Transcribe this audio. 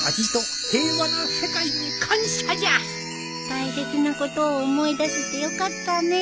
大切なことを思い出せてよかったね。